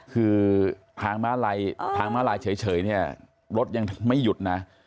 คือทางม้าลายเฉยเนี่ยรถยังไม่หยุดนะ